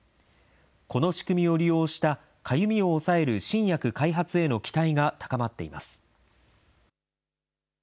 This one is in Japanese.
この仕組みを利用した、かゆみを抑える新薬開発への期待が高まっています。